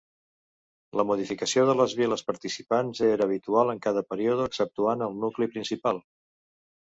La modificació de les viles participants era habitual en cada període, exceptuant el nucli principal.